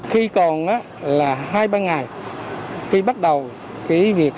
khi còn là hai ba ngày khi bắt đầu cái việc